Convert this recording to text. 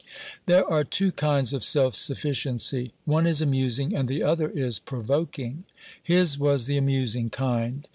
There are two kinds of self sufficiency; one is amusing, and the other is provoking. His was the amusing kind.